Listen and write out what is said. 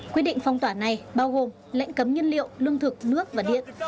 quyết định phong tỏa này bao gồm lệnh cấm nhiên liệu lương thực nước và điện